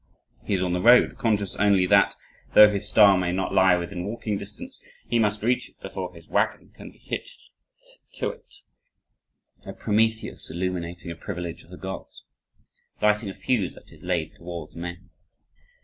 he is on the road, conscious only that, though his star may not lie within walking distance, he must reach it before his wagon can be hitched to it a Prometheus illuminating a privilege of the Gods lighting a fuse that is laid towards men.